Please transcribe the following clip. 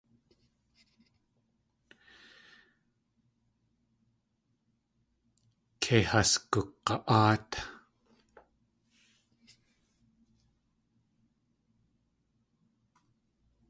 Kei has gug̲a.áat.